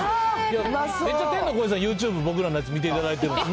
めっちゃ天の声さん、ユーチューブ、僕らのやつ見ていただいてるんですね。